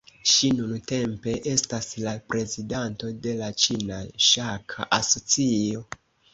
Ŝi nuntempe estas la prezidanto de la Ĉina Ŝaka Asocio.